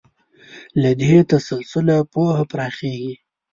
له دې تسلسله پوهه پراخېږي.